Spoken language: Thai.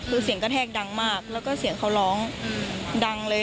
คือเสียงกระแทกดังมากแล้วก็เสียงเขาร้องดังเลย